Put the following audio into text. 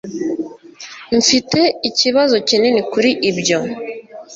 mfite ikibazo kinini kuri ibyo